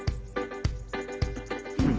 うん！